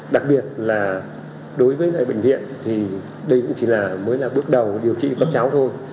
đặc biệt là đối với lại bệnh viện thì đây cũng chỉ là mới là bước đầu điều trị cho các cháu thôi